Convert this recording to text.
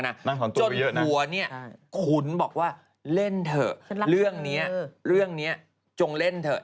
นั่นของตัวเยอะนะจนตัวเนี่ยขุนบอกว่าเล่นเถอะเรื่องเนี่ยเรื่องเนี่ยจงเล่นเถอะ